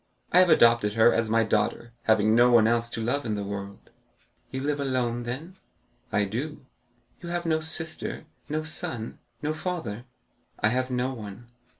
I have adopted her as my daughter, having no one else to love in the world." "You live alone, then?" "I do." "You have no sister—no son—no father?" "I have no one."